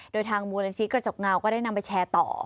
โดยทางมูลนิธิกระจกเงาก็ได้นำไปแชร์ต่อ